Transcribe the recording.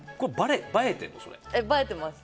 映えてます。